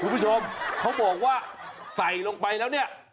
คุณผู้ชมเขาบอกว่าใส่ลงไปแล้วเนี่ย